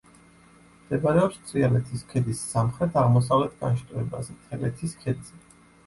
მდებარეობს თრიალეთის ქედის სამხრეთ-აღმოსავლეთ განშტოებაზე, თელეთის ქედზე.